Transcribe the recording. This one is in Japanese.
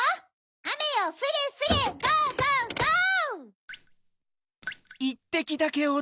アメよふれふれゴーゴーゴー！